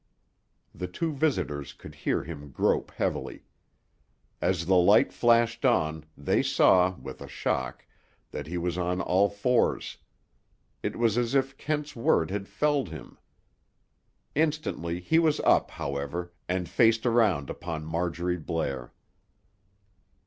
The two visitors could hear him grope heavily. As the light flashed on, they saw, with a shock, that he was on all fours. It was as if Kent's word had felled him. Instantly he was up, however, and faced around upon Marjorie Blair.